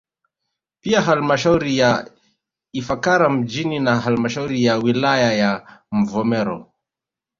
Pia halmashauri ya Ifakara mjini na halmashauri ya wilaya ya Mvomero